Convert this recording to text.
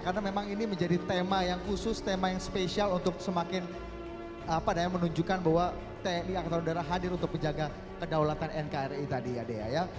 karena memang ini menjadi tema yang khusus tema yang spesial untuk semakin menunjukkan bahwa tni angkatan udara hadir untuk menjaga kedaulatan nkri tadi ya dea